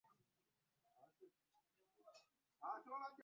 Njagala omuvubuka amanyi okwokya ennyama.